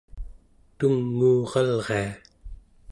tunguuralria